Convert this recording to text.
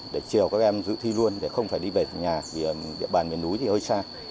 để chiều các em dự thi luôn để không phải đi về nhà địa bàn miền núi thì hơi xa